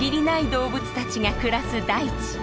動物たちが暮らす大地。